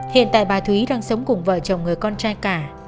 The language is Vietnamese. hiện tại bà thúy đang sống cùng vợ chồng người con trai cả